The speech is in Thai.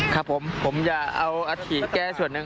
ครับผมผมจะเอาอธิแก้ส่วนหนึ่ง